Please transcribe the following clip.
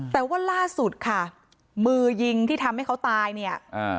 แต่ว่าล่าสุดค่ะมือยิงที่ทำให้เขาตายเนี่ย